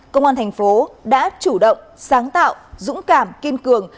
công an tp hcm đã chủ động sáng tạo dũng cảm kiên cường